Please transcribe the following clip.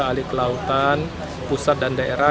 ahli kelautan pusat dan daerah